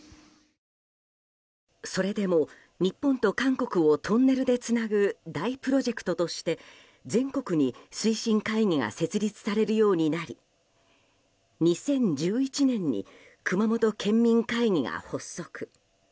それでも日本と韓国をトンネルでつなぐ大プロジェクトとして全国に推進会議が設立されるようになり２０１１年に熊本県民会議が発足。